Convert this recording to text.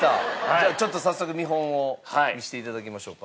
じゃあちょっと早速見本を見せていただきましょうか。